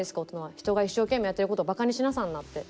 人が一生懸命やってることをバカにしなさんなって。